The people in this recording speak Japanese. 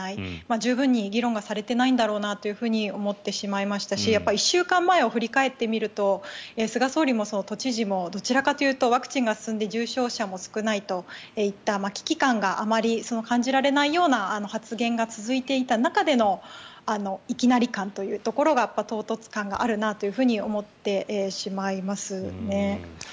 十分に議論されていないんだろうなと思ってしまいましたし１週間前を振り返ってみると菅総理も都知事もどちらかというとワクチンが進んで重症者も少ないといった危機感があまり感じられないような発言が続いていた中でのいきなり感というところが唐突感があるなと思ってしまいますね。